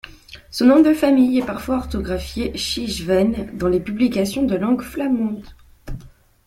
Son nom de famille est parfois orthographié Schijven dans les publications de langue flamande.